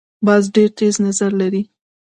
باز ډیر تېز نظر لري